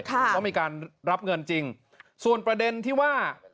เพราะมีการรับเงินจริงส่วนประเด็นที่ว่า